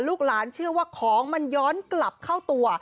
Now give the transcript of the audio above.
ลูกหลานเชื่อว่าของมันย้อนกลับเข้าตัว